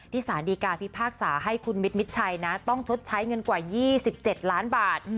สารดีการพิพากษาให้คุณมิดมิดชัยนะต้องชดใช้เงินกว่า๒๗ล้านบาท